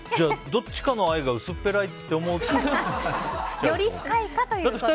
どっちかの愛が薄っぺらいと思うと。